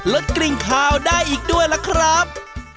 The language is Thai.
ลดกลิ่นขาวได้อีกด้วยล่ะครับ